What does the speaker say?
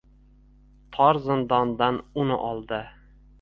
Tor zindondan uni oldi